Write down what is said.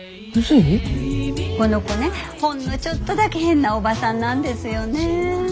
この子ねほんのちょっとだけ変なおばさんなんですよねぇ。